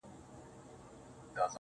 ځكه چي دا خو د تقدير فيصله~